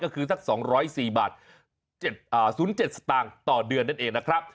ก็คือสัก๒๐๔บาท๐๗สตางค์ต่อเดือนนั่นเองนะครับ